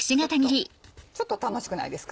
ちょっと楽しくないですか？